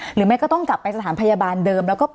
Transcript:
หรือไม่ก็ต้องกลับไปสถานพยาบาลเดิมแล้วก็ไป